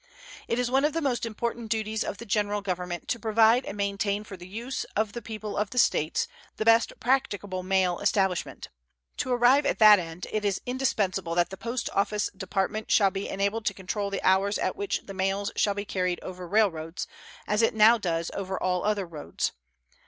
It is one of the most important duties of the General Government to provide and maintain for the use of the people of the States the best practicable mail establishment. To arrive at that end it is indispensable that the Post Office Department shall be enabled to control the hours at which the mails shall be carried over railroads, as it now does over all other roads.